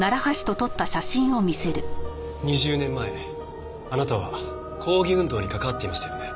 ２０年前あなたは抗議運動に関わっていましたよね？